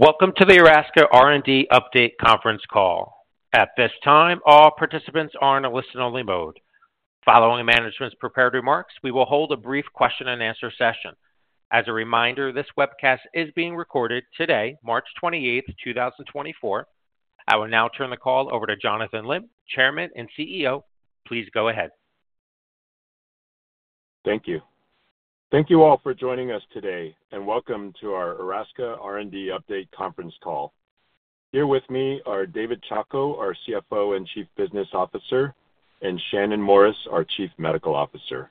Welcome to the Erasca R&D update conference call. At this time, all participants are in a listen-only mode. Following management's prepared remarks, we will hold a brief question-and-answer session. As a reminder, this webcast is being recorded today, March 28th, 2024. I will now turn the call over to Jonathan Lim, Chairman and CEO. Please go ahead. Thank you. Thank you all for joining us today, and welcome to our Erasca R&D update conference call. Here with me are David Chacko, our CFO and Chief Business Officer, and Shannon Morris, our Chief Medical Officer.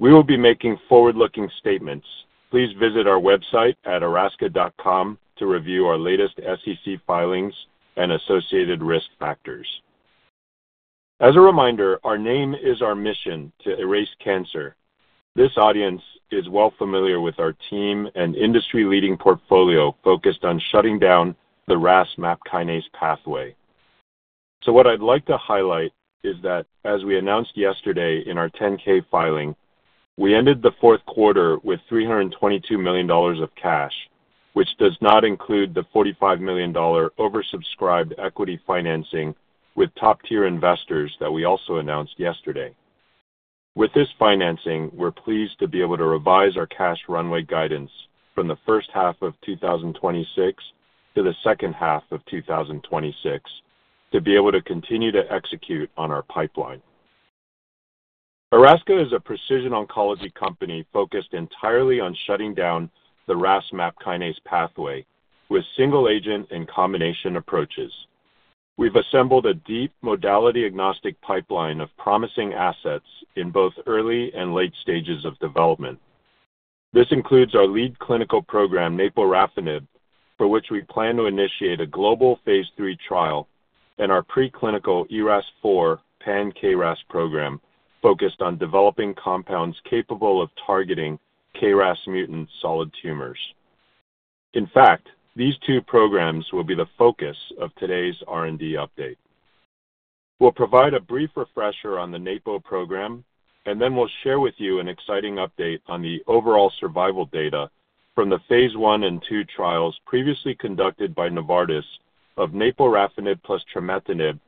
We will be making forward-looking statements. Please visit our website at erasca.com to review our latest SEC filings and associated risk factors. As a reminder, our name is our mission to erase cancer. This audience is well familiar with our team and industry-leading portfolio focused on shutting down the RAS MAPK pathway. So what I'd like to highlight is that as we announced yesterday in our 10-K filing, we ended the fourth quarter with $322 million of cash, which does not include the $45 million oversubscribed equity financing with top-tier investors that we also announced yesterday. With this financing, we're pleased to be able to revise our cash runway guidance from the first half of 2026 to the second half of 2026, to be able to continue to execute on our pipeline. Erasca is a precision oncology company focused entirely on shutting down the RAS MAP kinase pathway with single-agent and combination approaches. We've assembled a deep modality-agnostic pipeline of promising assets in both early and late stages of development. This includes our lead clinical program, naporafenib, for which we plan to initiate a global phase 3 trial and our preclinical ERAS-4 pan-KRAS program, focused on developing compounds capable of targeting KRAS mutant solid tumors. In fact, these two programs will be the focus of today's R&D update. We'll provide a brief refresher on the naporafenib program, and then we'll share with you an exciting update on the overall survival data from the phase I and II trials previously conducted by Novartis of naporafenib plus trametinib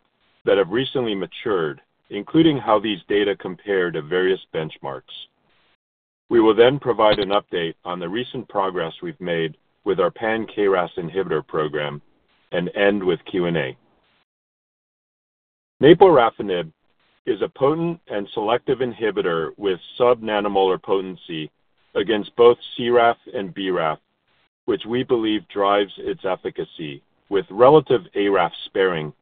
that have recently matured, including how these data compare to various benchmarks. We will then provide an update on the recent progress we've made with our pan-KRAS inhibitor program and end with Q&A. Naporafenib is a potent and selective inhibitor with sub-nanomolar potency against both CRAF and BRAF, which we believe drives its efficacy, with relative ARAF sparing,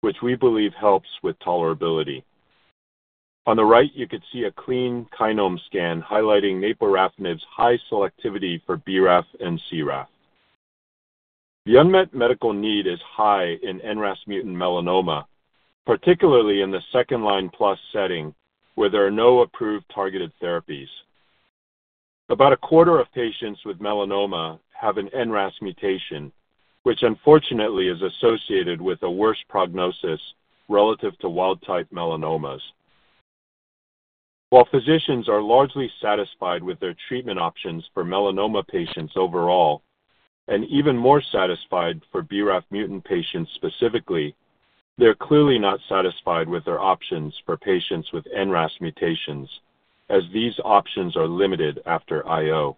which we believe helps with tolerability. On the right, you can see a clean kinome scan highlighting naporafenib's high selectivity for BRAF and CRAF. The unmet medical need is high in NRAS mutant melanoma, particularly in the second-line plus setting, where there are no approved targeted therapies. About a quarter of patients with melanoma have an NRAS mutation, which unfortunately is associated with a worse prognosis relative to wild-type melanomas. While physicians are largely satisfied with their treatment options for melanoma patients overall, and even more satisfied for BRAF mutant patients specifically, they're clearly not satisfied with their options for patients with NRAS mutations, as these options are limited after IO.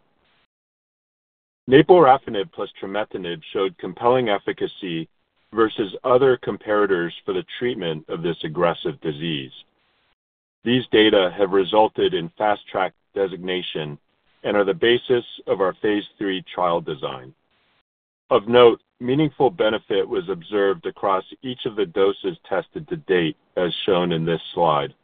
Naporafenib plus trametinib showed compelling efficacy versus other comparators for the treatment of this aggressive disease. These data have resulted in fast-track designation and are the basis of our phase III trial design. Of note, meaningful benefit was observed across each of the doses tested to date, as shown in this slide.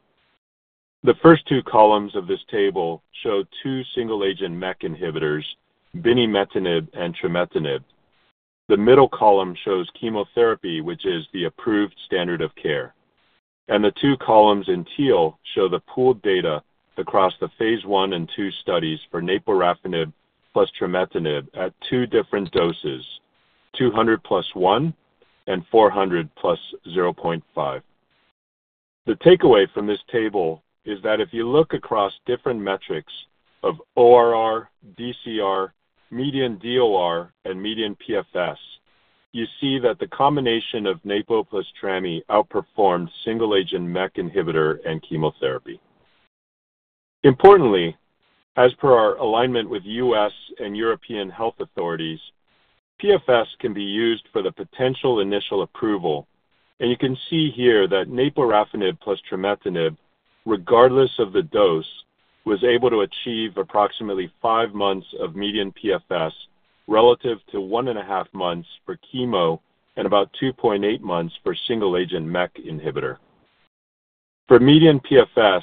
The first two columns of this table show two single-agent MEK inhibitors, binimetinib and trametinib. The middle column shows chemotherapy, which is the approved standard of care. The two columns in teal show the pooled data across the phase I and II studies for naporafenib plus trametinib at two different doses, 200 + 1 and 400 + 0.5. The takeaway from this table is that if you look across different metrics of ORR, DCR, median DOR, and median PFS, you see that the combination of napo plus trami outperformed single-agent MEK inhibitor and chemotherapy. Importantly, as per our alignment with U.S. and European health authorities, PFS can be used for the potential initial approval, and you can see here that naporafenib plus trametinib, regardless of the dose, was able to achieve approximately five months of median PFS, relative to one and a half months for chemo and about 2.8 months for single-agent MEK inhibitor. For median PFS,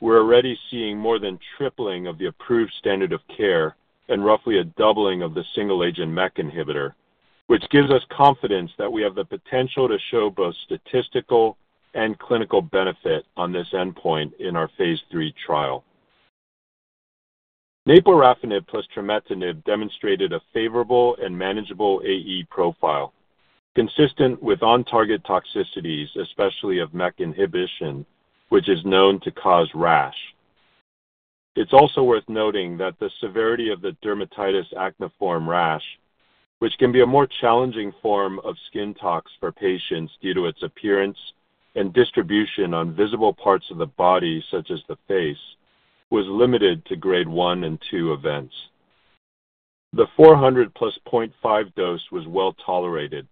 we're already seeing more than tripling of the approved standard of care and roughly a doubling of the single-agent MEK inhibitor, which gives us confidence that we have the potential to show both statistical and clinical benefit on this endpoint in our phase III trial. Naporafenib plus trametinib demonstrated a favorable and manageable AE profile, consistent with on-target toxicities, especially of MEK inhibition, which is known to cause rash. It's also worth noting that the severity of the dermatitis acneiform rash, which can be a more challenging form of skin tox for patients due to its appearance and distribution on visible parts of the body, such as the face, was limited to grade one and two events. The 400.5 dose was well tolerated.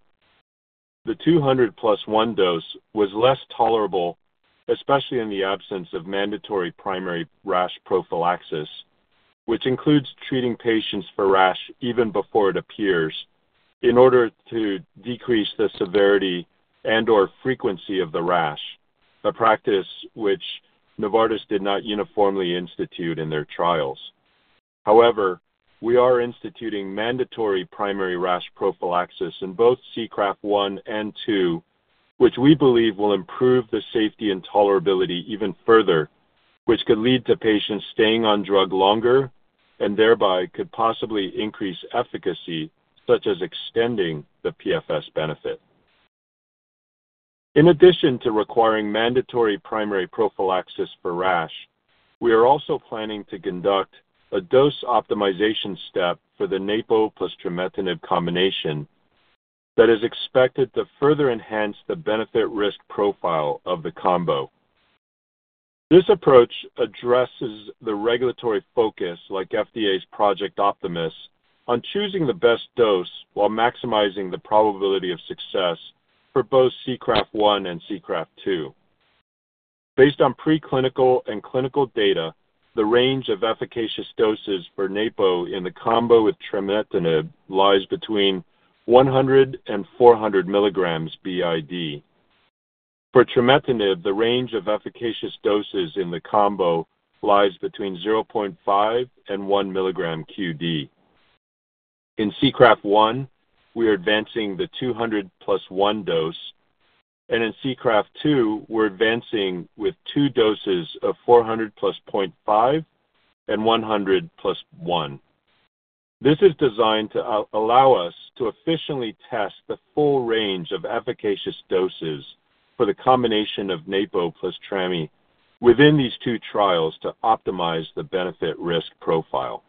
The 201 dose was less tolerable, especially in the absence of mandatory primary rash prophylaxis, which includes treating patients for rash even before it appears, in order to decrease the severity and/or frequency of the rash, a practice which Novartis did not uniformly institute in their trials. However, we are instituting mandatory primary rash prophylaxis in both SEACRAFT-1 and SEACRAFT-2, which we believe will improve the safety and tolerability even further, which could lead to patients staying on drug longer and thereby could possibly increase efficacy, such as extending the PFS benefit. In addition to requiring mandatory primary prophylaxis for rash, we are also planning to conduct a dose optimization step for the napo plus trametinib combination that is expected to further enhance the benefit risk profile of the combo. This approach addresses the regulatory focus, like FDA's Project Optimist, on choosing the best dose while maximizing the probability of success for both SEACRAFT-1 and SEACRAFT-2. Based on preclinical and clinical data, the range of efficacious doses for napo in the combo with trametinib lies between 100-400 milligrams BID. For trametinib, the range of efficacious doses in the combo lies between 0.5 mg-1 mg QD. In SEACRAFT-1, we are advancing the 200 + 1 dose, and in SEACRAFT-2, we're advancing with two doses of 400 + 0.5 and 100 + 1. This is designed to allow us to efficiently test the full range of efficacious doses for the combination of napo plus trami within these two trials to optimize the benefit risk profile.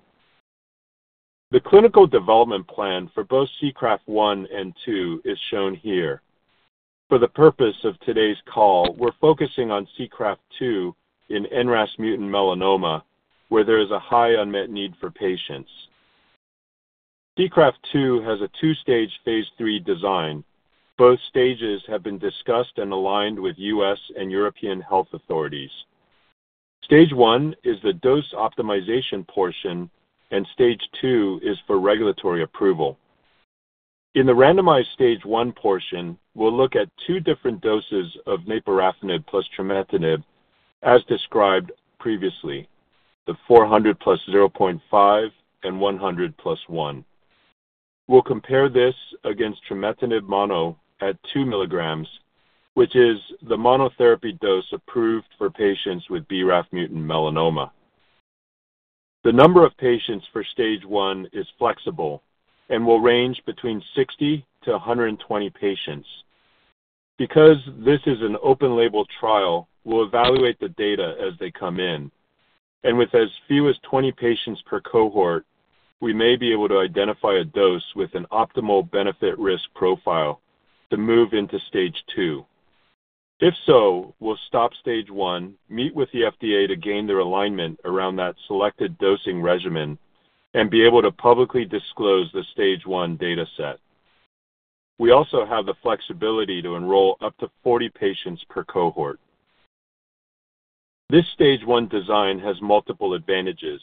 The clinical development plan for both SEACRAFT-1 and SEACRAFT-2 is shown here. For the purpose of today's call, we're focusing on SEACRAFT-2 in NRAS mutant melanoma, where there is a high unmet need for patients. SEACRAFT-2 has a two-stage phase III design. Both stages have been discussed and aligned with U.S. and European health authorities. Stage one is the dose optimization portion, and stage two is for regulatory approval. In the randomized stage one portion, we'll look at two different doses of naporafenib plus trametinib, as described previously, the 400 + 0.5 and 100 + 1. We'll compare this against trametinib mono at 2 mg, which is the monotherapy dose approved for patients with BRAF mutant melanoma. The number of patients for stage one is flexible and will range between 60-120 patients. Because this is an open label trial, we'll evaluate the data as they come in, and with as few as 20 patients per cohort, we may be able to identify a dose with an optimal benefit risk profile to move into stage two. If so, we'll stop stage one, meet with the FDA to gain their alignment around that selected dosing regimen and be able to publicly disclose the stage one data set. We also have the flexibility to enroll up to 40 patients per cohort. This stage one design has multiple advantages.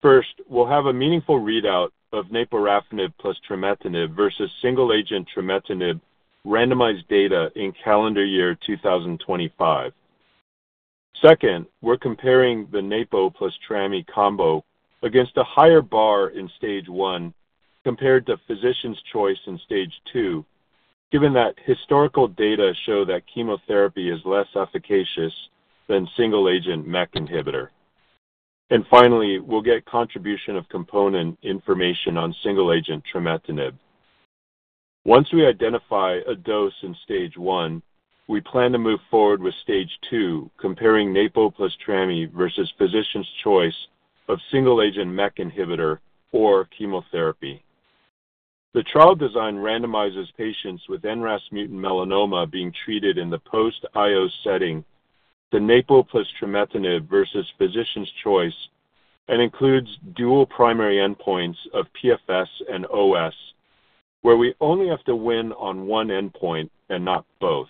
First, we'll have a meaningful readout of naporafenib plus trametinib versus single agent trametinib randomized data in calendar year 2025. Second, we're comparing the napo plus trami combo against a higher bar in stage one compared to physician's choice in stage two, given that historical data show that chemotherapy is less efficacious than single agent MEK inhibitor. And finally, we'll get contribution of component information on single agent trametinib. Once we identify a dose in stage one, we plan to move forward with stage two, comparing napo plus trami versus physician's choice of single agent MEK inhibitor or chemotherapy. The trial design randomizes patients with NRAS mutant melanoma being treated in the post IO setting, the napo plus trametinib versus physician's choice, and includes dual primary endpoints of PFS and OS, where we only have to win on one endpoint and not both.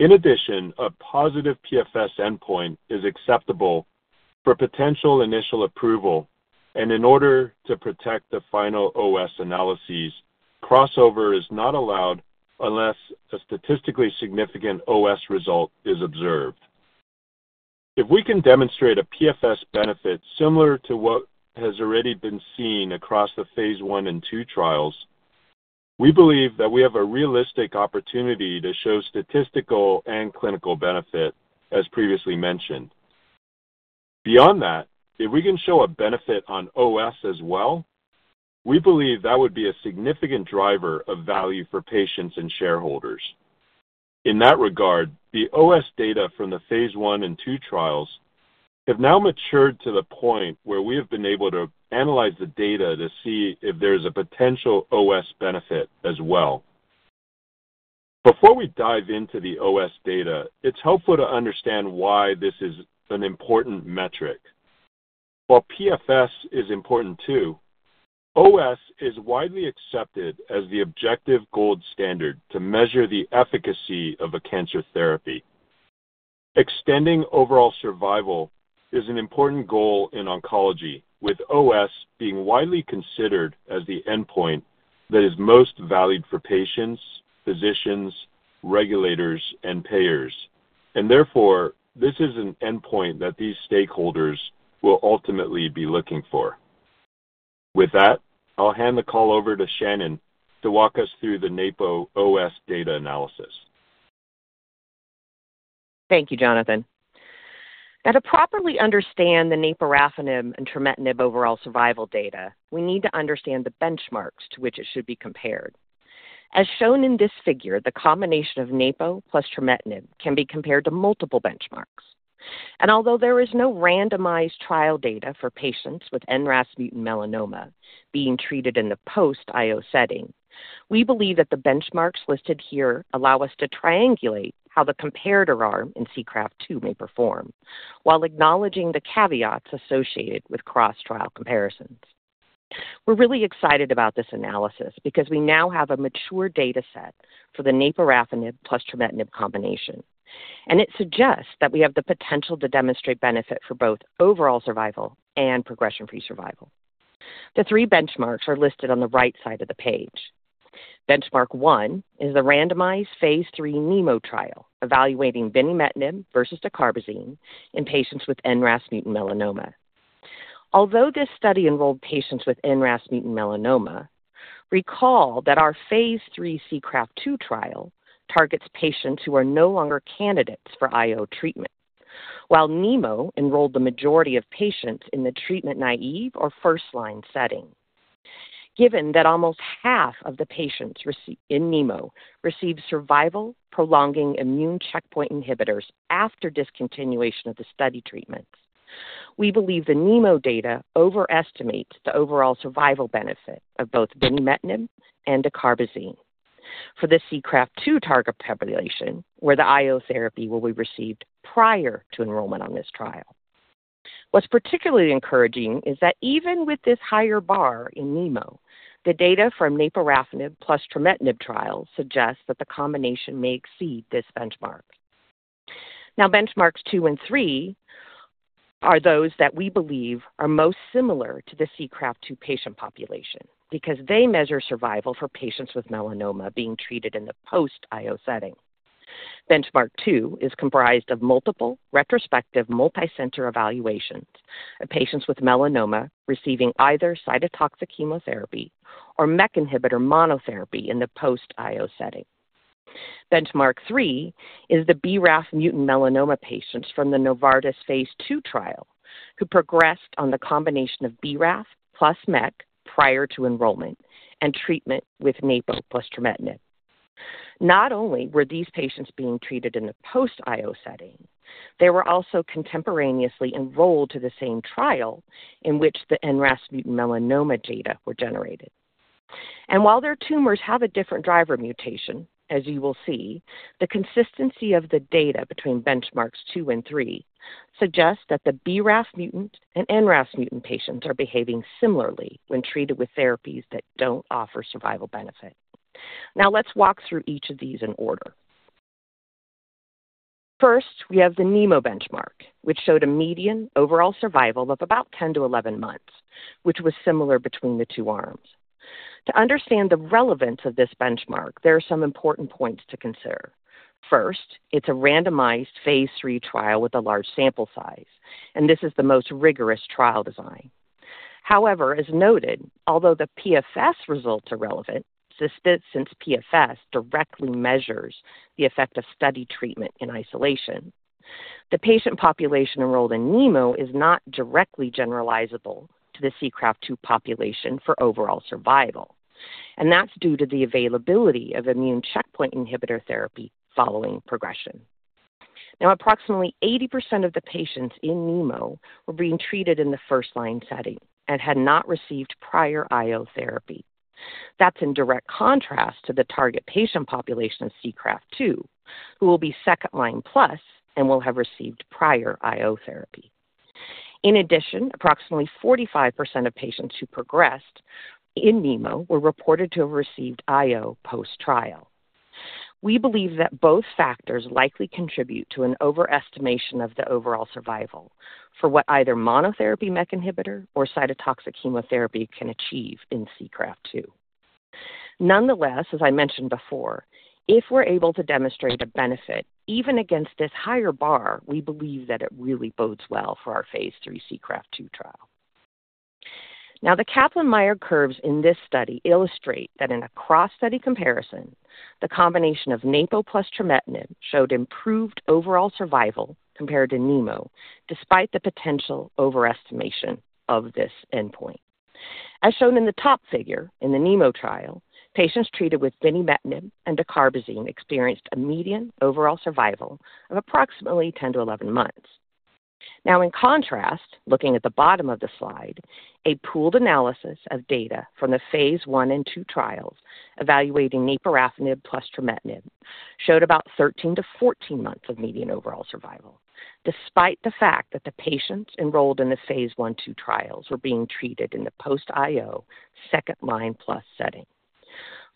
In addition, a positive PFS endpoint is acceptable for potential initial approval, and in order to protect the final OS analyses, crossover is not allowed unless a statistically significant OS result is observed. If we can demonstrate a PFS benefit similar to what has already been seen across the phase I and II trials, we believe that we have a realistic opportunity to show statistical and clinical benefit, as previously mentioned. Beyond that, if we can show a benefit on OS as well, we believe that would be a significant driver of value for patients and shareholders. In that regard, the OS data from the phase I and II trials have now matured to the point where we have been able to analyze the data to see if there's a potential OS benefit as well. Before we dive into the OS data, it's helpful to understand why this is an important metric. While PFS is important, too, OS is widely accepted as the objective gold standard to measure the efficacy of a cancer therapy. Extending overall survival is an important goal in oncology, with OS being widely considered as the endpoint that is most valued for patients, physicians, regulators, and payers, and therefore, this is an endpoint that these stakeholders will ultimately be looking for. With that, I'll hand the call over to Shannon to walk us through the NAPO OS data analysis. Thank you, Jonathan. Now, to properly understand the naporafenib and trametinib overall survival data, we need to understand the benchmarks to which it should be compared. As shown in this figure, the combination of NAPO plus trametinib can be compared to multiple benchmarks. Although there is no randomized trial data for patients with NRAS mutant melanoma being treated in the post-IO setting, we believe that the benchmarks listed here allow us to triangulate how the comparator arm in SEACRAFT-2 may perform, while acknowledging the caveats associated with cross-trial comparisons. We're really excited about this analysis because we now have a mature data set for the naporafenib plus trametinib combination, and it suggests that we have the potential to demonstrate benefit for both overall survival and progression-free survival. The three benchmarks are listed on the right side of the page. Benchmark one is the randomized phase III NEMO trial, evaluating binimetinib versus dacarbazine in patients with NRAS mutant melanoma. Although this study enrolled patients with NRAS mutant melanoma, recall that our phase III SEACRAFT-2 trial targets patients who are no longer candidates for IO treatment, while NEMO enrolled the majority of patients in the treatment-naive or first-line setting. Given that almost half of the patients in NEMO received survival prolonging immune checkpoint inhibitors after discontinuation of the study treatments, we believe the NEMO data overestimates the overall survival benefit of both binimetinib and dacarbazine. For the SEACRAFT-2 target population, where the IO therapy will be received prior to enrollment on this trial. What's particularly encouraging is that even with this higher bar in NEMO, the data from naporafenib plus trametinib trials suggests that the combination may exceed this benchmark. Now, benchmarks two and three are those that we believe are most similar to the SEACRAFT-2 patient population, because they measure survival for patients with melanoma being treated in the post-IO setting. Benchmark two is comprised of multiple retrospective, multicenter evaluations of patients with melanoma receiving either cytotoxic chemotherapy or MEK inhibitor monotherapy in the post-IO setting. Benchmark three is the BRAF mutant melanoma patients from the Novartis phase II trial, who progressed on the combination of BRAF plus MEK prior to enrollment and treatment with naporafenib plus trametinib. Not only were these patients being treated in a post-IO setting, they were also contemporaneously enrolled to the same trial in which the NRAS mutant melanoma data were generated. While their tumors have a different driver mutation, as you will see, the consistency of the data between benchmarks II and III suggests that the BRAF mutant and NRAS mutant patients are behaving similarly when treated with therapies that don't offer survival benefit. Now, let's walk through each of these in order. First, we have the NEMO benchmark, which showed a median overall survival of about 10-11 months, which was similar between the two arms. To understand the relevance of this benchmark, there are some important points to consider. First, it's a randomized phase III trial with a large sample size, and this is the most rigorous trial design. However, as noted, although the PFS results are relevant, since PFS directly measures the effect of study treatment in isolation, the patient population enrolled in NEMO is not directly generalizable to the SEACRAFT-2 population for overall survival, and that's due to the availability of immune checkpoint inhibitor therapy following progression. Now, approximately 80% of the patients in NEMO were being treated in the first line setting and had not received prior IO therapy. That's in direct contrast to the target patient population of SEACRAFT-2, who will be second-line plus and will have received prior IO therapy. In addition, approximately 45% of patients who progressed in NEMO were reported to have received IO post-trial. We believe that both factors likely contribute to an overestimation of the overall survival for what either monotherapy MEK inhibitor or cytotoxic chemotherapy can achieve in SEACRAFT-2. Nonetheless, as I mentioned before, if we're able to demonstrate a benefit, even against this higher bar, we believe that it really bodes well for our phase III SEACRAFT-2 trial. Now, the Kaplan-Meier curves in this study illustrate that in a cross-study comparison, the combination of NAPO plus trametinib showed improved overall survival compared to NEMO, despite the potential overestimation of this endpoint. As shown in the top figure in the NEMO trial, patients treated with vemurafenib and dacarbazine experienced a median overall survival of approximately 10-11 months. Now, in contrast, looking at the bottom of the slide, a pooled analysis of data from the phase I and II trials evaluating naporafenib plus trametinib showed about 13-14 months of median overall survival, despite the fact that the patients enrolled in the phase I, II trials were being treated in the post-IO second-line plus setting.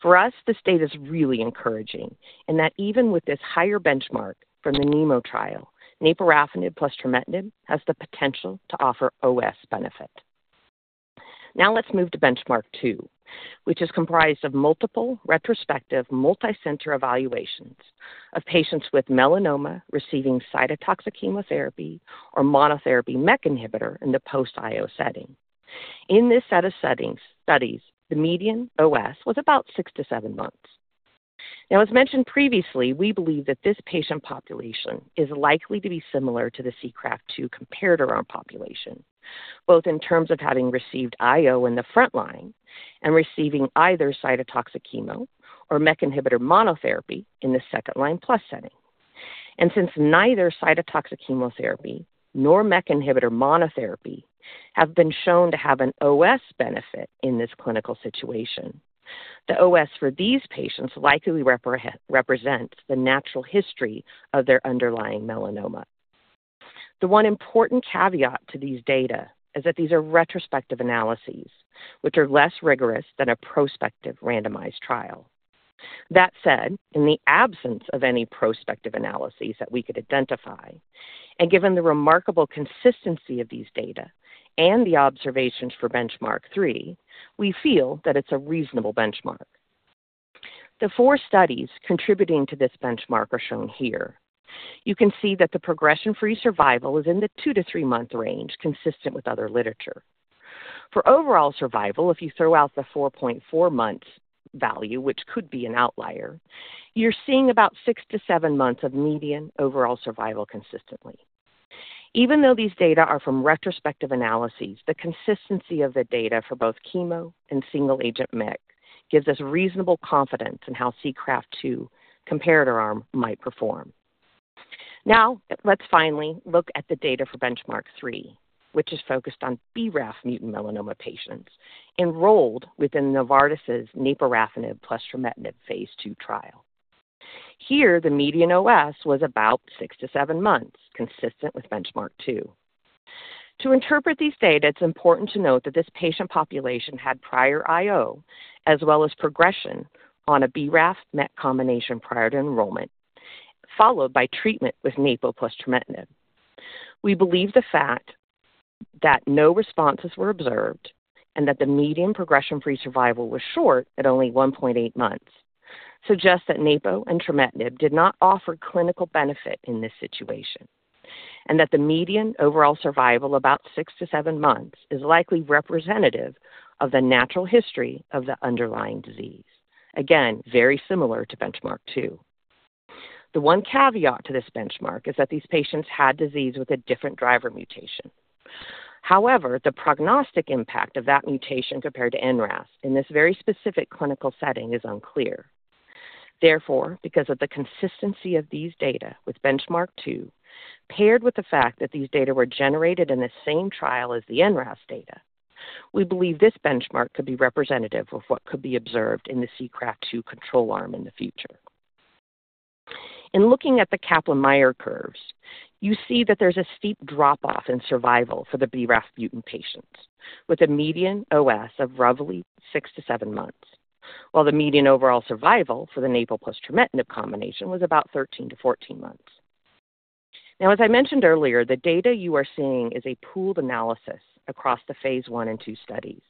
For us, this data is really encouraging in that even with this higher benchmark from the NEMO trial, naporafenib plus trametinib has the potential to offer OS benefit. Now let's move to benchmark two, which is comprised of multiple retrospective, multicenter evaluations of patients with melanoma receiving cytotoxic chemotherapy or monotherapy MEK inhibitor in the post-IO setting. In this set of studies, the median OS was about six to seven months. Now, as mentioned previously, we believe that this patient population is likely to be similar to the SEACRAFT-2 comparator arm population, both in terms of having received IO in the front line and receiving either cytotoxic chemo or MEK inhibitor monotherapy in the second-line plus setting. Since neither cytotoxic chemotherapy nor MEK inhibitor monotherapy have been shown to have an OS benefit in this clinical situation, the OS for these patients likely represents the natural history of their underlying melanoma. The one important caveat to these data is that these are retrospective analyses, which are less rigorous than a prospective randomized trial. That said, in the absence of any prospective analyses that we could identify, and given the remarkable consistency of these data and the observations for benchmark three, we feel that it's a reasonable benchmark. The four studies contributing to this benchmark are shown here. You can see that the progression-free survival is in the two to three-month range, consistent with other literature. For overall survival, if you throw out the 4.4 months value, which could be an outlier, you're seeing about six to seven months of median overall survival consistently. Even though these data are from retrospective analyses, the consistency of the data for both chemo and single-agent MEK gives us reasonable confidence in how SEACRAFT-2 comparator arm might perform. Now, let's finally look at the data for benchmark three which is focused on BRAF mutant melanoma patients enrolled within Novartis' naporafenib plus trametinib phase II trial. Here, the median OS was about six to seven months, consistent with benchmark two. To interpret these data, it's important to note that this patient population had prior IO, as well as progression on a BRAF/MEK combination prior to enrollment, followed by treatment with napo plus trametinib. We believe the fact that no responses were observed and that the median progression-free survival was short, at only 1.8 months, suggests that naporafenib and trametinib did not offer clinical benefit in this situation, and that the median overall survival, about six to seven months, is likely representative of the natural history of the underlying disease. Again, very similar to benchmark two. The one caveat to this benchmark is that these patients had disease with a different driver mutation. However, the prognostic impact of that mutation compared to NRAS in this very specific clinical setting is unclear. Therefore, because of the consistency of these data with benchmark two, paired with the fact that these data were generated in the same trial as the NRAS data, we believe this benchmark could be representative of what could be observed in the SEACRAFT-2 control arm in the future. In looking at the Kaplan-Meier curves, you see that there's a steep drop-off in survival for the BRAF mutant patients, with a median OS of roughly six to seven months, while the median overall survival for the napo plus trametinib combination was about 13-14 months. Now, as I mentioned earlier, the data you are seeing is a pooled analysis across the phase I and II studies,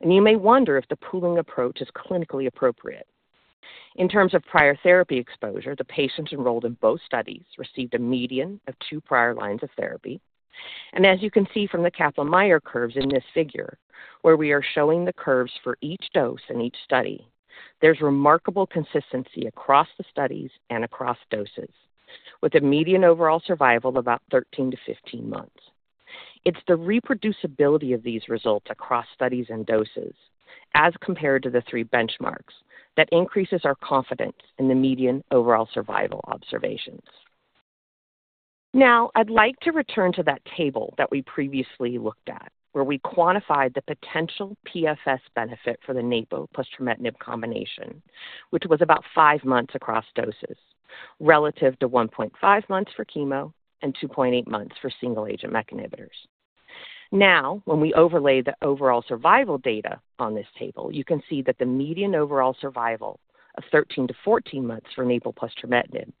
and you may wonder if the pooling approach is clinically appropriate. In terms of prior therapy exposure, the patients enrolled in both studies received a median of two prior lines of therapy. As you can see from the Kaplan-Meier curves in this figure, where we are showing the curves for each dose in each study, there's remarkable consistency across the studies and across doses, with a median overall survival of about 13-15 months. It's the reproducibility of these results across studies and doses, as compared to the three benchmarks, that increases our confidence in the median overall survival observations. Now, I'd like to return to that table that we previously looked at, where we quantified the potential PFS benefit for the napo plus trametinib combination, which was about five months across doses, relative to 1.5 months for chemo and 2.8 months for single-agent MEK inhibitors. Now, when we overlay the overall survival data on this table, you can see that the median overall survival of 13-14 months for napo plus trametinib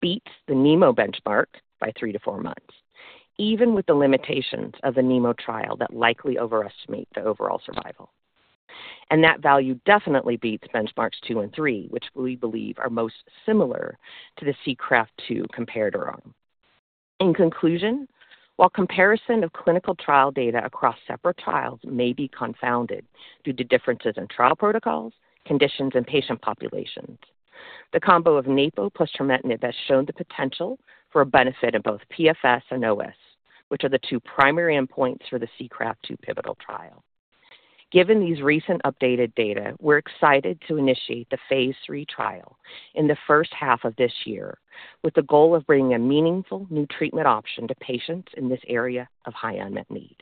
beats the NEMO benchmark by three to four months, even with the limitations of the NEMO trial that likely overestimate the overall survival. And that value definitely beats benchmarks two and three, which we believe are most similar to the SEACRAFT-2 comparator arm. In conclusion, while comparison of clinical trial data across separate trials may be confounded due to differences in trial protocols, conditions, and patient populations. The combo of napo plus trametinib has shown the potential for a benefit in both PFS and OS, which are the two primary endpoints for the SEACRAFT-2 pivotal trial. Given these recent updated data, we're excited to initiate the phase three trial in the first half of this year, with the goal of bringing a meaningful new treatment option to patients in this area of high unmet need.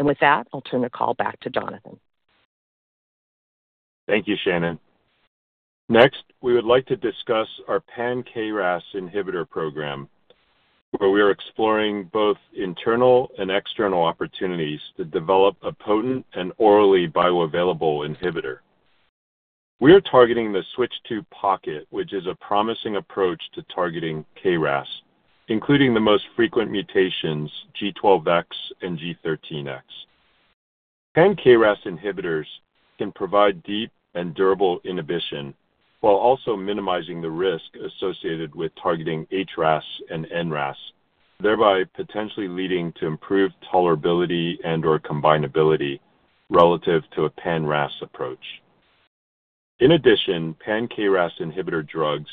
With that, I'll turn the call back to Jonathan. Thank you, Shannon. Next, we would like to discuss our pan-KRAS inhibitor program, where we are exploring both internal and external opportunities to develop a potent and orally bioavailable inhibitor. We are targeting the switch II pocket, which is a promising approach to targeting KRAS, including the most frequent mutations, G12X and G13X. Pan-KRAS inhibitors can provide deep and durable inhibition, while also minimizing the risk associated with targeting HRAS and NRAS, thereby potentially leading to improved tolerability and/or combinability relative to a pan-RAS approach. In addition, pan-KRAS inhibitor drugs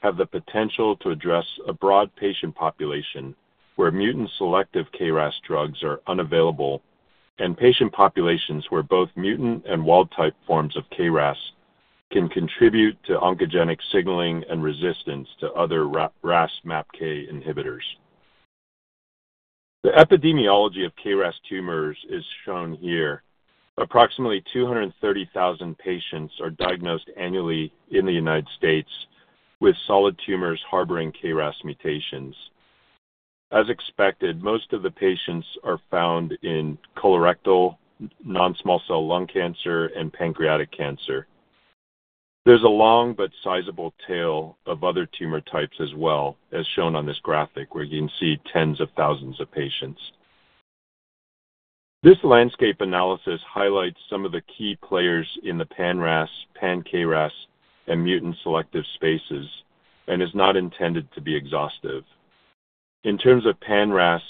have the potential to address a broad patient population, where mutant selective KRAS drugs are unavailable, and patient populations where both mutant and wild type forms of KRAS can contribute to oncogenic signaling and resistance to other RAS MAPK inhibitors. The epidemiology of KRAS tumors is shown here. Approximately 230,000 patients are diagnosed annually in the United States with solid tumors harboring KRAS mutations. As expected, most of the patients are found in colorectal, non-small cell lung cancer, and pancreatic cancer. There's a long but sizable tail of other tumor types as well, as shown on this graphic, where you can see tens of thousands of patients. This landscape analysis highlights some of the key players in the pan-RAS, pan-KRAS, and mutant selective spaces, and is not intended to be exhaustive. In terms of pan-RAS,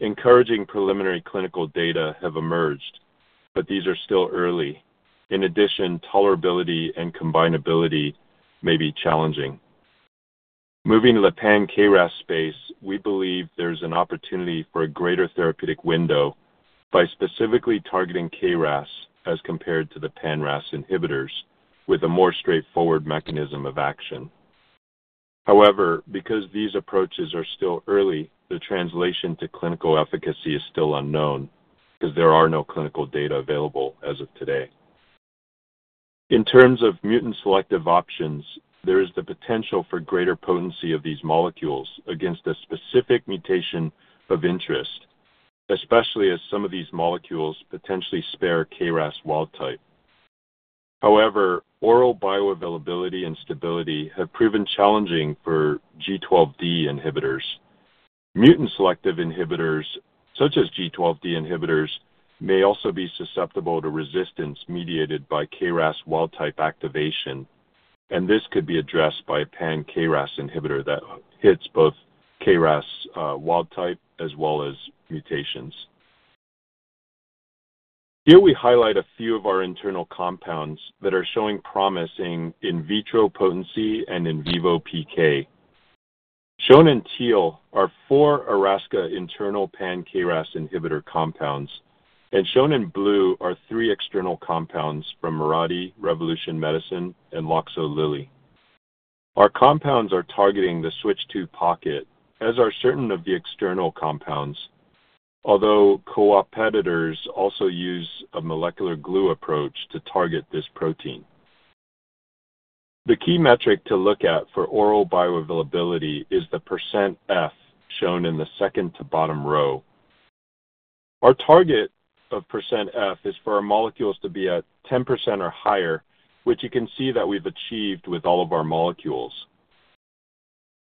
encouraging preliminary clinical data have emerged, but these are still early. In addition, tolerability and combinability may be challenging. Moving to the pan-KRAS space, we believe there's an opportunity for a greater therapeutic window by specifically targeting KRAS as compared to the pan-RAS inhibitors, with a more straightforward mechanism of action. However, because these approaches are still early, the translation to clinical efficacy is still unknown, because there are no clinical data available as of today. In terms of mutant selective options, there is the potential for greater potency of these molecules against a specific mutation of interest, especially as some of these molecules potentially spare KRAS wild type. However, oral bioavailability and stability have proven challenging for G12D inhibitors. Mutant selective inhibitors, such as G12D inhibitors, may also be susceptible to resistance mediated by KRAS wild type activation, and this could be addressed by a pan-KRAS inhibitor that hits both KRAS wild type as well as mutations. Here, we highlight a few of our internal compounds that are showing promising in vitro potency and in vivo PK. Shown in teal are four Erasca internal pan-KRAS inhibitor compounds, and shown in blue are three external compounds from Mirati, Revolution Medicines, and Loxo@Lilly. Our compounds are targeting the switch II pocket, as are certain of the external compounds, although co-op competitors also use a molecular glue approach to target this protein. The key metric to look at for oral bioavailability is the %F, shown in the second to bottom row. Our target of %F is for our molecules to be at 10% or higher, which you can see that we've achieved with all of our molecules.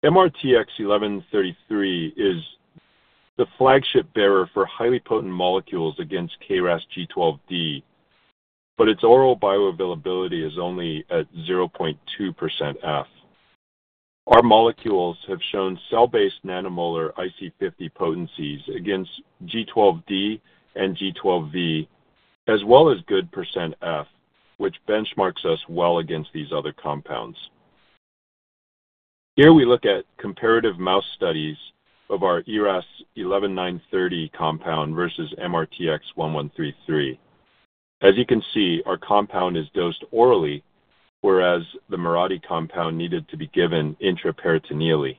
MRTX1133 is the flagship bearer for highly potent molecules against KRAS G12D, but its oral bioavailability is only at 0.2% F. Our molecules have shown cell-based nanomolar IC50 potencies against G12D and G12V, as well as good %F, which benchmarks us well against these other compounds. Here we look at comparative mouse studies of our ERAS-11930 compound versus MRTX1133. As you can see, our compound is dosed orally, whereas the Mirati compound needed to be given intraperitoneally.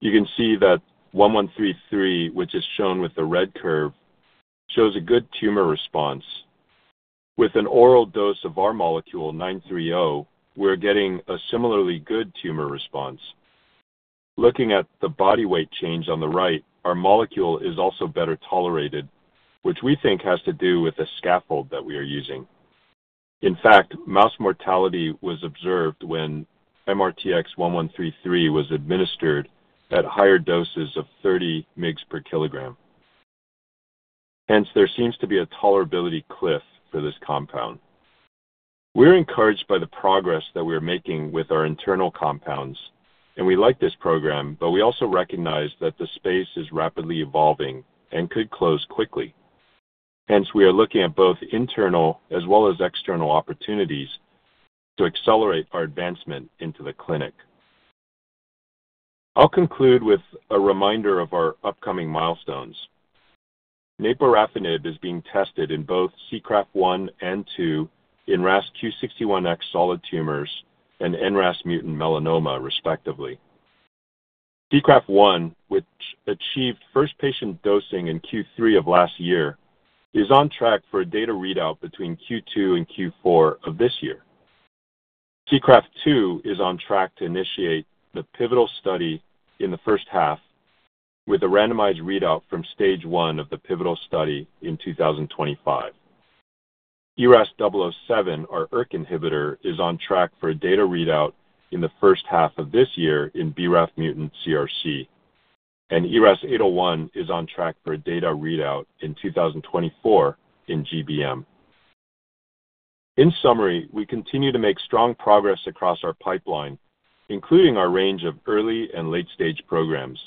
You can see that 1133, which is shown with the red curve, shows a good tumor response. With an oral dose of our molecule, 930, we're getting a similarly good tumor response. Looking at the body weight change on the right, our molecule is also better tolerated, which we think has to do with the scaffold that we are using. In fact, mouse mortality was observed when MRTX1133 was administered at higher doses of 30 mg/kg. Hence, there seems to be a tolerability cliff for this compound. We're encouraged by the progress that we are making with our internal compounds, and we like this program, but we also recognize that the space is rapidly evolving and could close quickly... hence, we are looking at both internal as well as external opportunities to accelerate our advancement into the clinic. I'll conclude with a reminder of our upcoming milestones. Naporafenib is being tested in both SEACRAFT-1 and SEACRAFT-2 in RAS Q61X solid tumors and NRAS mutant melanoma, respectively. SEACRAFT-1, which achieved first patient dosing in Q3 of last year, is on track for a data readout between Q2 and Q4 of this year. SEACRAFT-2 is on track to initiate the pivotal study in the first half, with a randomized readout from stage one of the pivotal study in 2025. ERAS-007, our ERK inhibitor, is on track for a data readout in the first half of this year in BRAF mutant CRC, and ERAS-801 is on track for a data readout in 2024 in GBM. In summary, we continue to make strong progress across our pipeline, including our range of early and late-stage programs.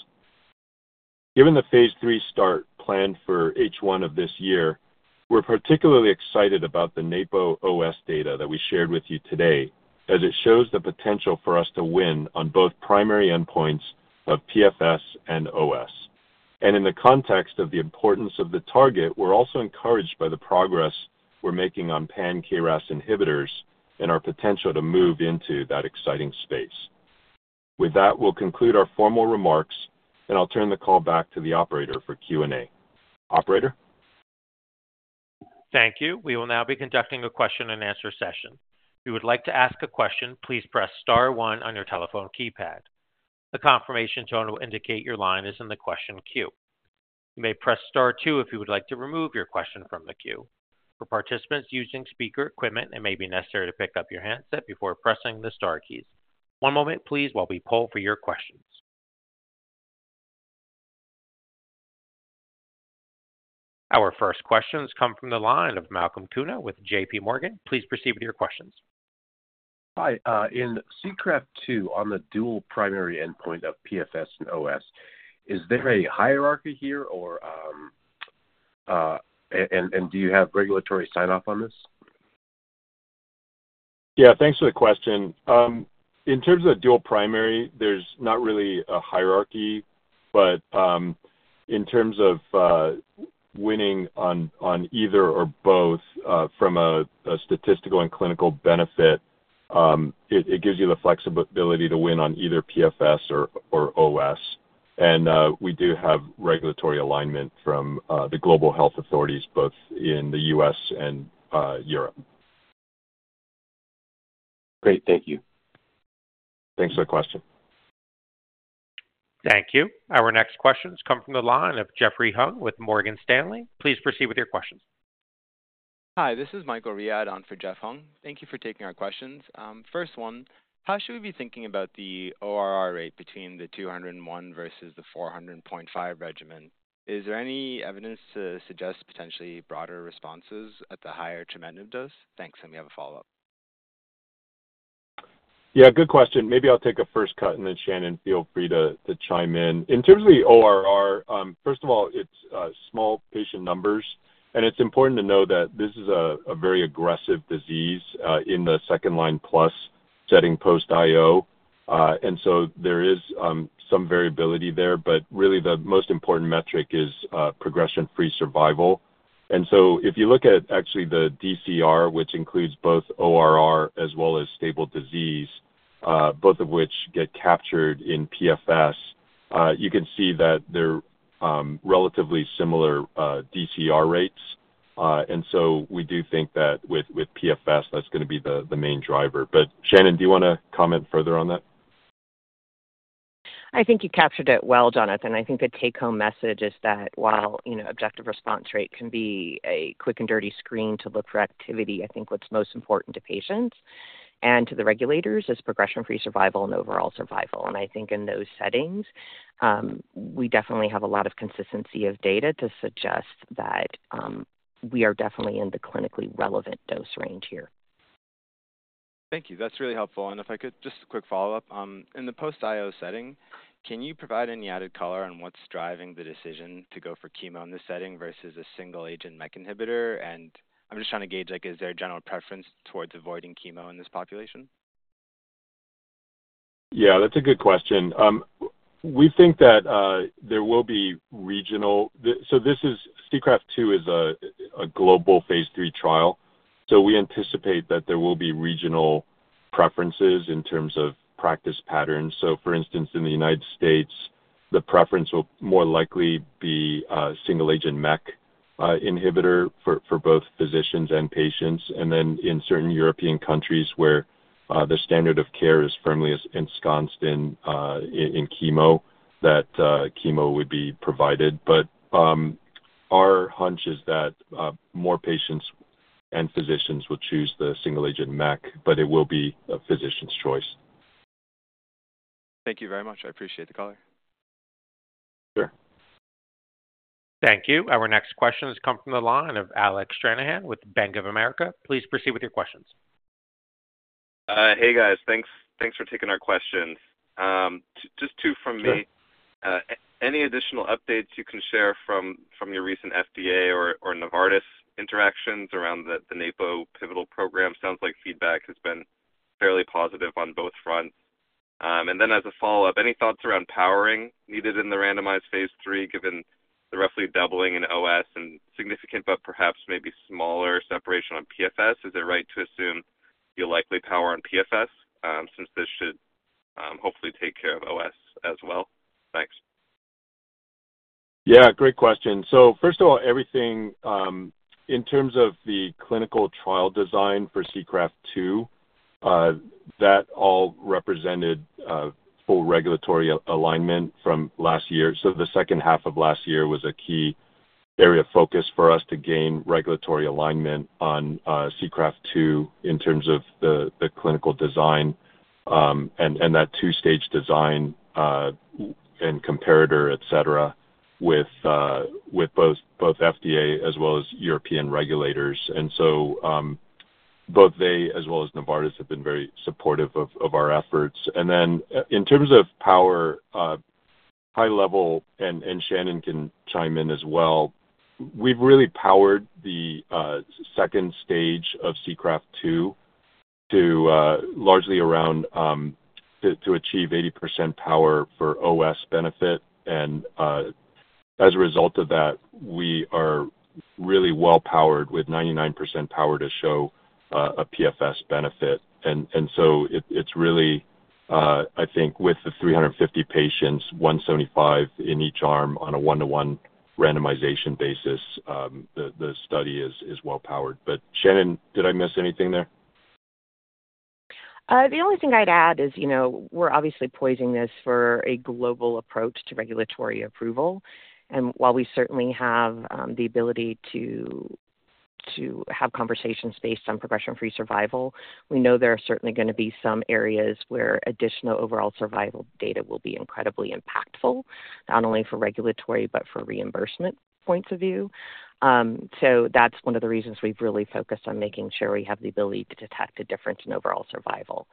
Given the phase III start planned for H1 of this year, we're particularly excited about the NAPO OS data that we shared with you today, as it shows the potential for us to win on both primary endpoints of PFS and OS. In the context of the importance of the target, we're also encouraged by the progress we're making on pan KRAS inhibitors and our potential to move into that exciting space. With that, we'll conclude our formal remarks, and I'll turn the call back to the operator for Q&A. Operator? Thank you. We will now be conducting a question-and-answer session. If you would like to ask a question, please press star one on your telephone keypad. The confirmation tone will indicate your line is in the question queue. You may press star two if you would like to remove your question from the queue. For participants using speaker equipment, it may be necessary to pick up your handset before pressing the star keys. One moment, please, while we poll for your questions. Our first questions come from the line of Malcolm Kuno with JPMorgan. Please proceed with your questions. Hi, in SEACRAFT-2, on the dual primary endpoint of PFS and OS, is there a hierarchy here or, and do you have regulatory sign-off on this? Yeah, thanks for the question. In terms of dual primary, there's not really a hierarchy, but, in terms of, winning on, on either or both, from a, a statistical and clinical benefit, it, it gives you the flexibility to win on either PFS or, or OS. And, we do have regulatory alignment from, the global health authorities, both in the U.S. and, Europe. Great. Thank you. Thanks for the question. Thank you. Our next questions come from the line of Jeffrey Hung with Morgan Stanley. Please proceed with your questions. Hi, this is Michael Riad on for Jeff Hung. Thank you for taking our questions. First one, how should we be thinking about the ORR rate between the 201 versus the 400.5 regimen? Is there any evidence to suggest potentially broader responses at the higher tremelimumab dose? Thanks, and we have a follow-up. Yeah, good question. Maybe I'll take a first cut, and then Shannon, feel free to chime in. In terms of the ORR, first of all, it's small patient numbers, and it's important to note that this is a very aggressive disease in the second line plus setting post-IO. And so there is some variability there, but really the most important metric is progression-free survival. And so if you look at actually the DCR, which includes both ORR as well as stable disease, both of which get captured in PFS, you can see that they're relatively similar DCR rates. And so we do think that with PFS, that's going to be the main driver. But Shannon, do you want to comment further on that? I think you captured it well, Jonathan. I think the take-home message is that while, you know, objective response rate can be a quick and dirty screen to look for activity, I think what's most important to patients and to the regulators is progression-free survival and overall survival. And I think in those settings, we definitely have a lot of consistency of data to suggest that, we are definitely in the clinically relevant dose range here. Thank you. That's really helpful. And if I could, just a quick follow-up. In the post-IO setting, can you provide any added color on what's driving the decision to go for chemo in this setting versus a single agent MEK inhibitor? And I'm just trying to gauge, like, is there a general preference towards avoiding chemo in this population? Yeah, that's a good question. We think that there will be regional preferences in terms of practice patterns. So this is SEACRAFT-2, a global phase III trial, so we anticipate that there will be regional preferences in terms of practice patterns. So for instance, in the United States, the preference will more likely be a single-agent MEK inhibitor for both physicians and patients. And then in certain European countries where the standard of care is firmly ensconced in chemo, that chemo would be provided. But our hunch is that more patients and physicians will choose the single-agent MEK, but it will be a physician's choice. Thank you very much. I appreciate the call. Sure. Thank you. Our next question has come from the line of Alec Stranahan with Bank of America. Please proceed with your questions. Hey, guys. Thanks, thanks for taking our questions. Just two from me. Sure. Any additional updates you can share from your recent FDA or Novartis interactions around the NAPO pivotal program? Sounds like feedback has been fairly positive on both fronts. And then as a follow-up, any thoughts around powering needed in the randomized phase III, given the roughly doubling in OS and significant, but perhaps maybe smaller separation on PFS? Is it right to assume you'll likely power on PFS, since this should hopefully take care of OS as well? Thanks. Yeah, great question. So first of all, everything, in terms of the clinical trial design for SEACRAFT 2, that all represented, full regulatory alignment from last year. So the second half of last year was a key area of focus for us to gain regulatory alignment on, SEACRAFT 2 in terms of the clinical design, and that two-stage design, and comparator, et cetera, with both FDA as well as European regulators. And so, both they as well as Novartis, have been very supportive of our efforts. And then in terms of power, high level, and Shannon can chime in as well, we've really powered the second stage of SEACRAFT 2 to largely around to achieve 80% power for OS benefit. As a result of that, we are really well powered with 99% power to show a PFS benefit. And so it, it's really, I think with the 350 patients, 175 in each arm on a one-to-one randomization basis, the study is well powered. But, Shannon, did I miss anything there? The only thing I'd add is, you know, we're obviously poising this for a global approach to regulatory approval, and while we certainly have the ability to have conversations based on progression-free survival, we know there are certainly gonna be some areas where additional overall survival data will be incredibly impactful, not only for regulatory, but for reimbursement points of view. So that's one of the reasons we've really focused on making sure we have the ability to detect a difference in overall survival.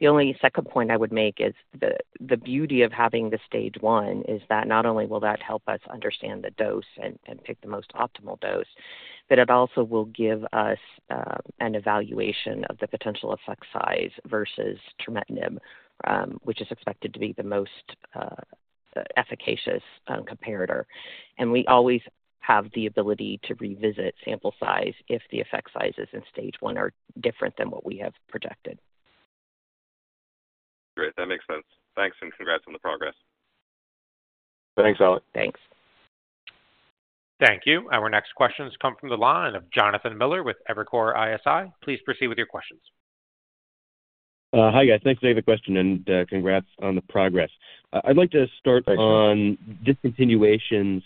The only second point I would make is the beauty of having the stage one is that not only will that help us understand the dose and pick the most optimal dose, but it also will give us an evaluation of the potential effect size versus trametinib, which is expected to be the most efficacious comparator. We always have the ability to revisit sample size if the effect sizes in stage one are different than what we have projected. Great, that makes sense. Thanks, and congrats on the progress. Thanks, Alex. Thanks. Thank you. Our next questions come from the line of Jonathan Miller with Evercore ISI. Please proceed with your questions. Hi, guys. Thanks for taking the question, and congrats on the progress. I'd like to start on discontinuations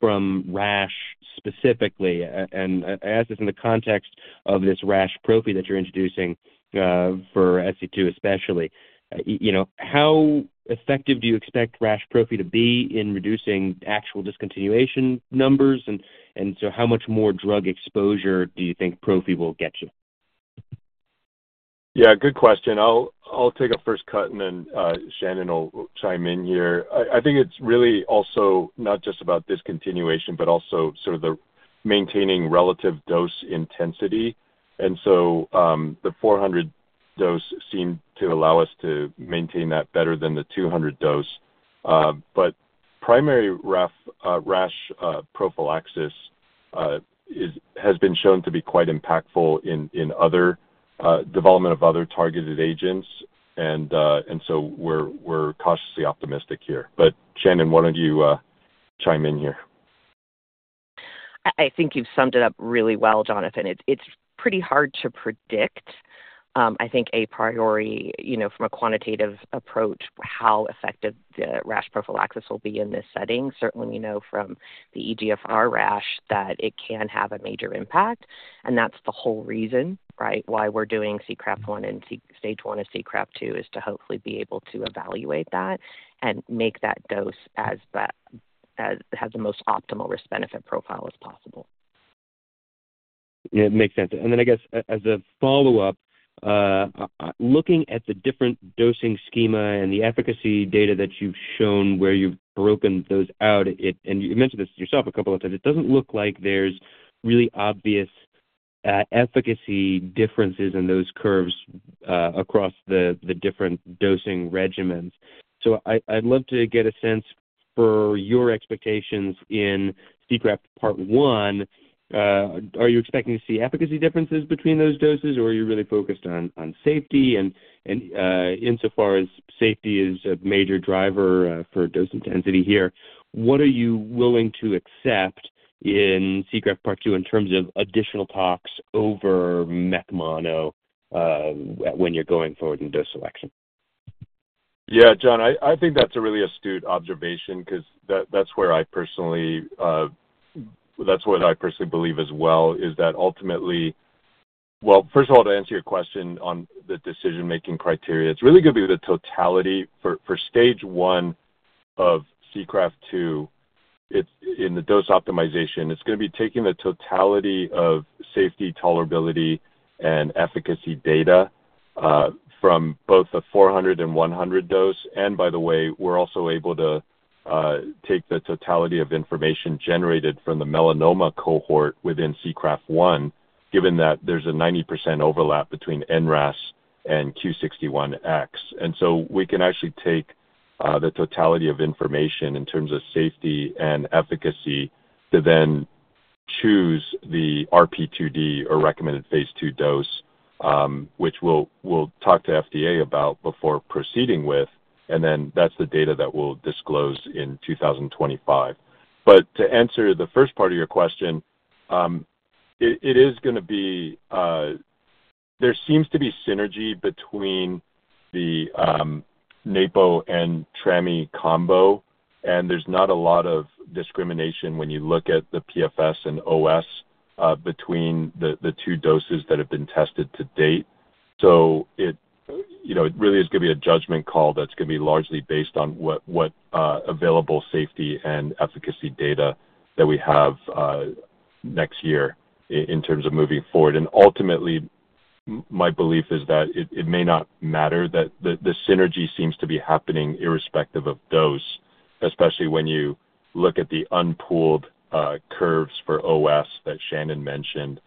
from rash specifically, and I ask this in the context of this rash prophy that you're introducing for SE2 especially. You know, how effective do you expect rash prophy to be in reducing actual discontinuation numbers? And so how much more drug exposure do you think prophy will get you? Yeah, good question. I'll take a first cut and then Shannon will chime in here. I think it's really also not just about discontinuation, but also sort of the maintaining relative dose intensity. And so, the 400 dose seemed to allow us to maintain that better than the 200 dose. But primary rash prophylaxis has been shown to be quite impactful in development of other targeted agents, and so we're cautiously optimistic here. But, Shannon, why don't you chime in here? I think you've summed it up really well, Jonathan. It's pretty hard to predict, I think a priority, you know, from a quantitative approach, how effective the rash prophylaxis will be in this setting. Certainly, we know from the EGFR rash that it can have a major impact, and that's the whole reason, right, why we're doing SEACRAFT-1 and stage one of SEACRAFT-2, is to hopefully be able to evaluate that and make that dose as that as has the most optimal risk-benefit profile as possible. Yeah, it makes sense. Then I guess as a follow-up, looking at the different dosing schema and the efficacy data that you've shown, where you've broken those out, it. And you mentioned this yourself a couple of times, it doesn't look like there's really obvious efficacy differences in those curves across the different dosing regimens. So I'd love to get a sense for your expectations in SEACRAFT part one. Are you expecting to see efficacy differences between those doses, or are you really focused on safety? And insofar as safety is a major driver for dose intensity here, what are you willing to accept in SEACRAFT part one in terms of additional toxicity over MEK mono when you're going forward in dose selection? Yeah, John, I think that's a really astute observation because that's where I personally, that's what I personally believe as well, is that ultimately. Well, first of all, to answer your question on the decision-making criteria, it's really gonna be the totality for stage one of SEACRAFT-2, it's in the dose optimization. It's gonna be taking the totality of safety, tolerability, and efficacy data from both the 400 and 100 dose. And by the way, we're also able to take the totality of information generated from the melanoma cohort within SEACRAFT-1, given that there's a 90% overlap between NRAS and Q61X. We can actually take the totality of information in terms of safety and efficacy to then choose the RP2D or recommended phase II dose, which we'll talk to FDA about before proceeding with, and then that's the data that we'll disclose in 2025. But to answer the first part of your question, it is gonna be— there seems to be synergy between the napo and trami combo, and there's not a lot of discrimination when you look at the PFS and OS between the two doses that have been tested to date. So it, you know, it really is gonna be a judgment call that's gonna be largely based on what available safety and efficacy data that we have next year in terms of moving forward. And ultimately, my belief is that it may not matter, that the synergy seems to be happening irrespective of dose, especially when you look at the unpooled curves for OS that Shannon mentioned.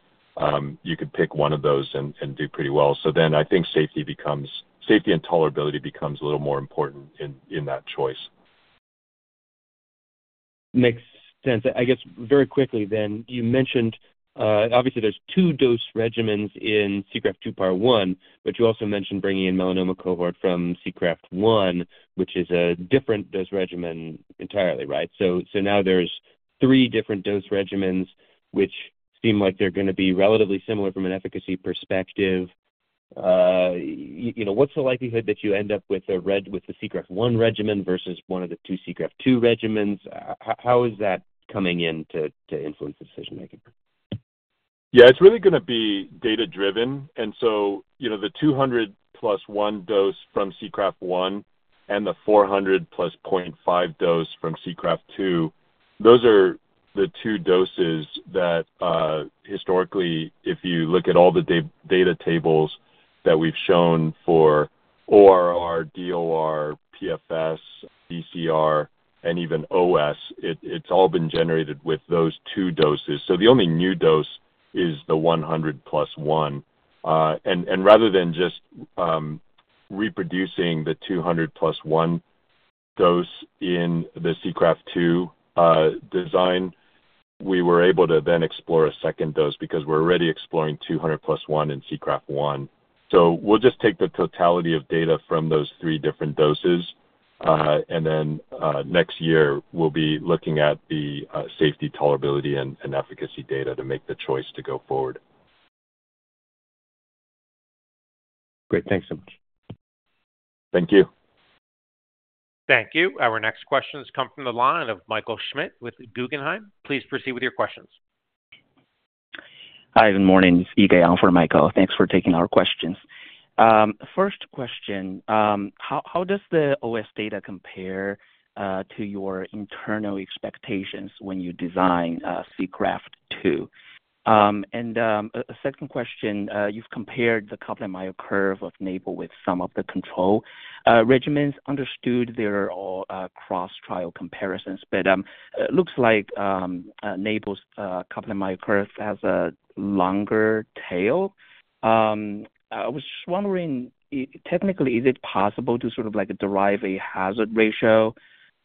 You could pick one of those and do pretty well. So then I think safety becomes, safety and tolerability becomes a little more important in that choice. Makes sense. I guess, very quickly then, you mentioned, obviously there's two dose regimens in SEACRAFT-2 part one, but you also mentioned bringing in melanoma cohort from SEACRAFT-1, which is a different dose regimen entirely, right? So now there's three different dose regimens, which seem like they're gonna be relatively similar from an efficacy perspective. You know, what's the likelihood that you end up with the SEACRAFT-1 regimen versus one of the two SEACRAFT-2 regimens? How is that coming in to influence decision making? Yeah, it's really gonna be data driven. And so, you know, the 200 + 1 dose from SEACRAFT-1 and the 400 + 0.5 dose from SEACRAFT-2, those are the two doses that, historically, if you look at all the data tables that we've shown for OR, DOR, PFS, DCR, and even OS, it's all been generated with those two doses. So the only new dose is the 100 + 1. And rather than just reproducing the 200 + 1 dose in the SEACRAFT-2 design, we were able to then explore a second dose because we're already exploring 200 + 1 in SEACRAFT-1. We'll just take the totality of data from those three different doses, and then, next year, we'll be looking at the safety, tolerability, and efficacy data to make the choice to go forward. Great. Thanks so much. Thank you. Thank you. Our next question has come from the line of Michael Schmidt with Guggenheim. Please proceed with your questions. Hi, good morning. It's Yigang for Michael. Thanks for taking our questions. First question, how does the OS data compare to your internal expectations when you design SEACRAFT-2? And a second question, you've compared the Kaplan-Meier curve of napo with some of the control regimens. Understood they're all cross-trial comparisons, but it looks like napo's Kaplan-Meier curve has a longer tail. I was just wondering, technically, is it possible to sort of, like, derive a hazard ratio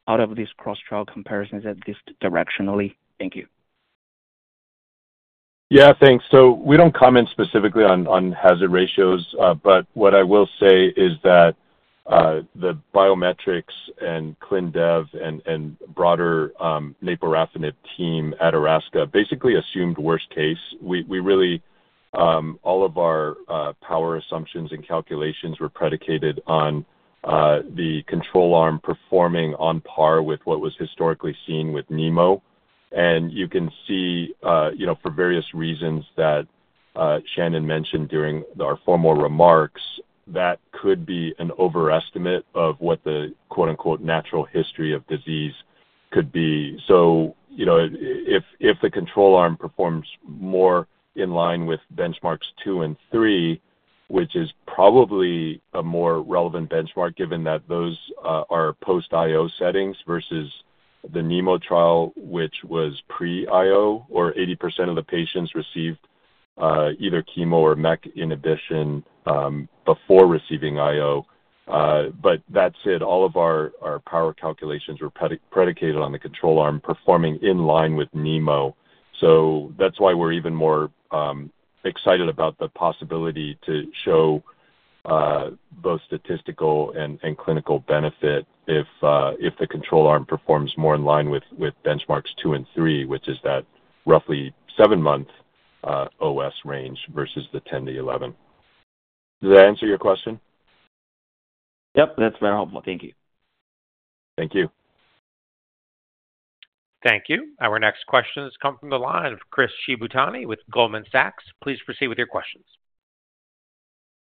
out of these cross-trial comparisons, at least directionally? Thank you. Yeah, thanks. So we don't comment specifically on hazard ratios, but what I will say is that the biometrics and clin dev and broader naporafenib team at Erasca basically assumed worst case. We really all of our power assumptions and calculations were predicated on the control arm performing on par with what was historically seen with NEMO. And you can see, you know, for various reasons that Shannon mentioned during our formal remarks, that could be an overestimate of what the quote-unquote natural history of disease could be. So, you know, if, if the control arm performs more in line with benchmarks two and two, which is probably a more relevant benchmark, given that those are post-IO settings versus the NEMO trial, which was pre-IO, or 80% of the patients received either chemo or MEK inhibition before receiving IO. But that said, all of our power calculations were predicated on the control arm performing in line with NEMO. So that's why we're even more excited about the possibility to show both statistical and clinical benefit if the control arm performs more in line with benchmarks two and three, which is that roughly seven-month OS range versus the 10-11. Does that answer your question? Yep, that's very helpful. Thank you. Thank you. Thank you. Our next question has come from the line of Chris Shibutani with Goldman Sachs. Please proceed with your questions.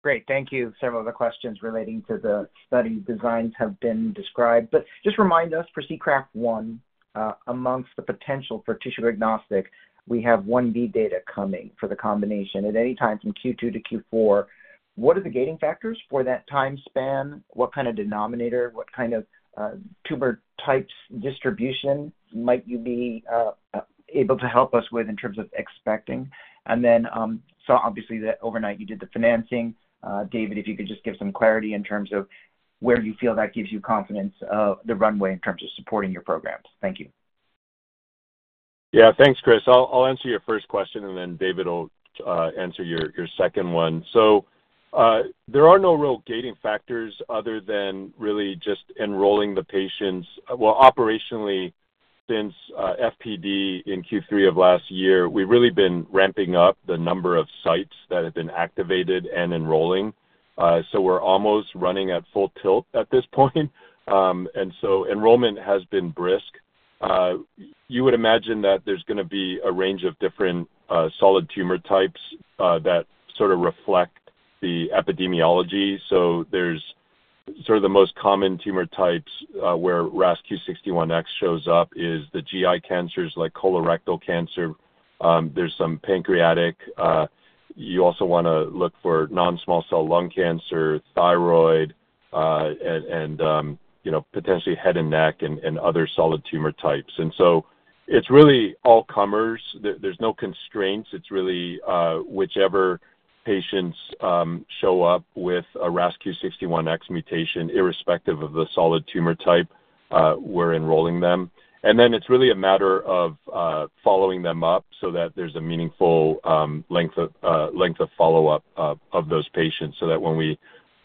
Great. Thank you. Several of the questions relating to the study designs have been described, but just remind us, for SEACRAFT-1, amongst the potential for tissue agnostic, we have 1B data coming for the combination at any time from Q2 to Q4. What are the gating factors for that time span? What kind of denominator, what kind of tumor types distribution might you be able to help us with in terms of expecting? And then, so obviously that overnight you did the financing. David, if you could just give some clarity in terms of where you feel that gives you confidence of the runway in terms of supporting your programs. Thank you. Yeah, thanks, Chris. I'll answer your first question, and then David will answer your second one. So, there are no real gating factors other than really just enrolling the patients. Well, operationally, since FPD in Q3 of last year, we've really been ramping up the number of sites that have been activated and enrolling. So we're almost running at full tilt at this point. And so enrollment has been brisk. You would imagine that there's going to be a range of different solid tumor types that sort of reflect the epidemiology. So there's sort of the most common tumor types where RAS Q61X shows up is the GI cancers, like colorectal cancer. There's some pancreatic. You also want to look for non-small cell lung cancer, thyroid, and you know, potentially head and neck and other solid tumor types. And so it's really all comers. There's no constraints. It's really whichever patients show up with a RAS Q61X mutation, irrespective of the solid tumor type, we're enrolling them. And then it's really a matter of following them up so that there's a meaningful length of follow-up of those patients, so that when we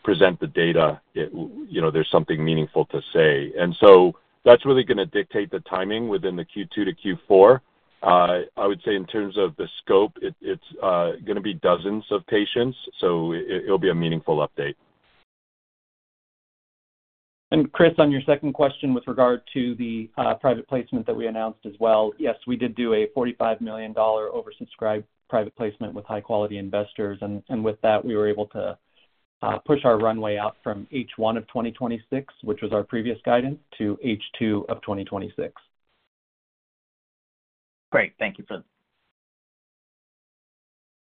present the data, you know, there's something meaningful to say. And so that's really going to dictate the timing within the Q2 to Q4. I would say in terms of the scope, it's going to be dozens of patients, so it'll be a meaningful update. And Chris, on your second question with regard to the private placement that we announced as well. Yes, we did do a $45 million oversubscribed private placement with high quality investors, and with that, we were able to push our runway out from H1 of 2026, which was our previous guidance, to H2 of 2026. Great. Thank you for that.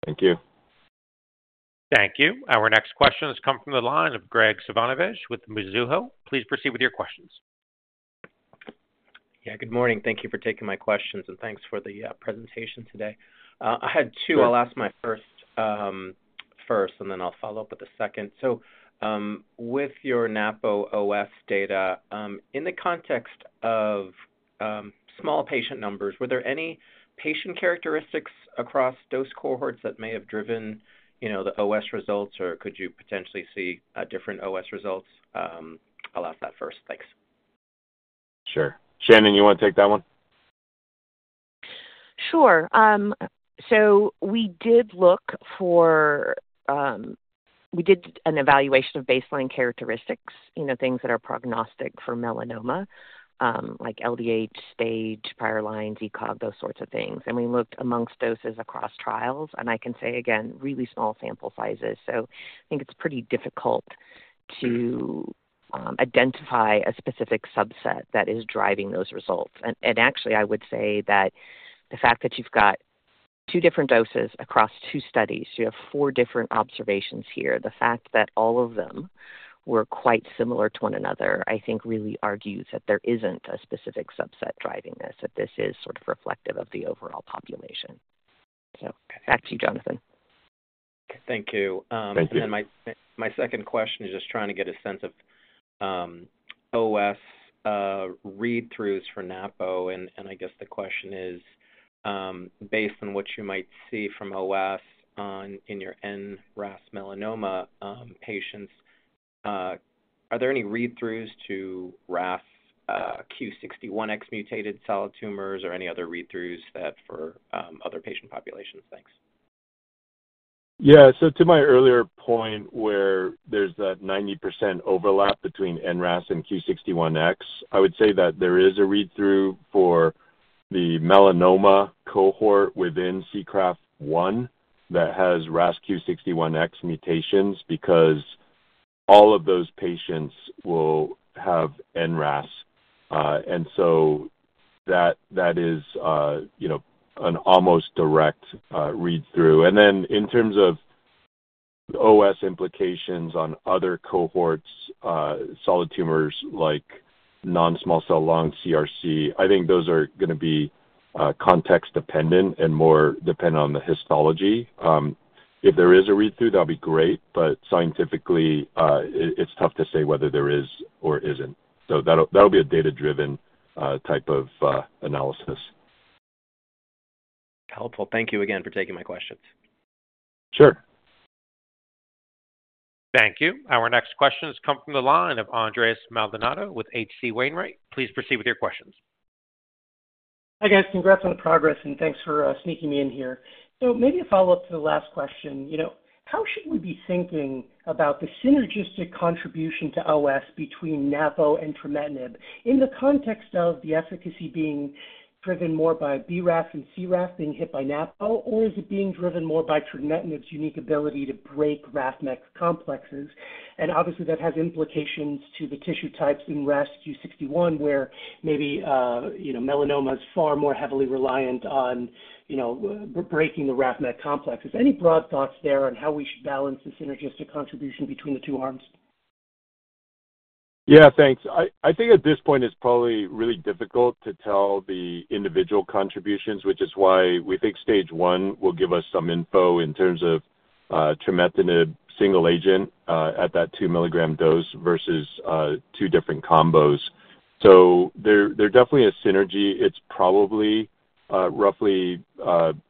Thank you. Thank you. Our next question has come from the line of Graig Suvannavejh with Mizuho. Please proceed with your questions. Yeah, good morning. Thank you for taking my questions, and thanks for the presentation today. I had two. I'll ask my first, and then I'll follow up with the second. So, with your Napo OS data, in the context of small patient numbers, were there any patient characteristics across those cohorts that may have driven, you know, the OS results, or could you potentially see different OS results? I'll ask that first. Thanks. Sure. Shannon, you want to take that one? Sure. So we did look for, we did an evaluation of baseline characteristics, you know, things that are prognostic for melanoma, like LDH, stage, prior lines, ECOG, those sorts of things. And we looked among doses across trials, and I can say again, really small sample sizes. So I think it's pretty difficult to identify a specific subset that is driving those results. And, actually, I would say that the fact that you've got two different doses across two studies, you have four different observations here. The fact that all of them were quite similar to one another, I think, really argues that there isn't a specific subset driving this, that this is sort of reflective of the overall population. So back to you, Jonathan. Thank you. Thank you. And then my second question is just trying to get a sense of OS read-throughs for Napo, and I guess the question is, based on what you might see from OS on in your NRAS melanoma patients, are there any read-throughs to RAS Q61X mutated solid tumors or any other read-throughs that for other patient populations? Thanks. Yeah. So to my earlier point, where there's that 90% overlap between NRAS and Q61X, I would say that there is a read-through for the melanoma cohort within SEACRAFT-1, that has RAS Q61X mutations, because all of those patients will have NRAS. And so that, that is, you know, an almost direct read-through. And then in terms of OS implications on other cohorts, solid tumors, like non-small cell lung, CRC, I think those are going to be context dependent and more dependent on the histology. If there is a read-through, that'll be great, but scientifically, it's tough to say whether there is or isn't. So that'll, that'll be a data-driven type of analysis. Helpful. Thank you again for taking my questions. Sure. Thank you. Our next question has come from the line of Andres Maldonado with H.C. Wainwright. Please proceed with your questions. Hi, guys. Congrats on the progress, and thanks for sneaking me in here. So maybe a follow-up to the last question. You know, how should we be thinking about the synergistic contribution to OS between Napo and trametinib in the context of the efficacy being driven more by BRAF and CRAF being hit by Napo, or is it being driven more by trametinib's unique ability to break RAF MEK complexes? And obviously, that has implications to the tissue types in RAS Q61, where maybe, you know, melanoma is far more heavily reliant on, you know, breaking the RAF MEK complex. Is there any broad thoughts there on how we should balance the synergistic contribution between the two arms? Yeah, thanks. I, I think at this point it's probably really difficult to tell the individual contributions, which is why we think stage one will give us some info in terms of, trametinib single agent, at that 2 mg dose versus, two different combos. So there, there definitely a synergy. It's probably, roughly,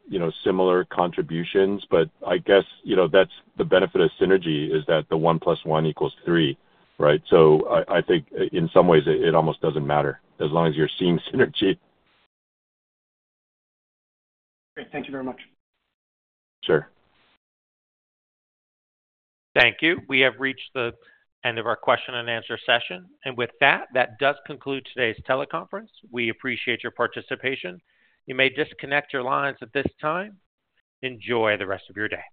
you know, similar contributions, but I guess, you know, that's the benefit of synergy, is that the 1 + 1 = 3, right? So I, I think in some ways it, it almost doesn't matter, as long as you're seeing synergy. Great. Thank you very much. Sure. Thank you. We have reached the end of our question and answer session, and with that, that does conclude today's teleconference. We appreciate your participation. You may disconnect your lines at this time. Enjoy the rest of your day.